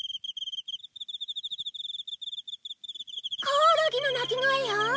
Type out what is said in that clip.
コオロギの鳴き声よ！